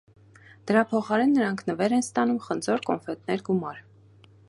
Դրա փոխարեն նրանք նվեր են ստանում խնձոր, կոնֆետներ, գումար։